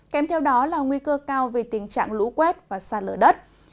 kèm theo đó là nguy cơ cao về tình trạng lũ quét và xa lở đất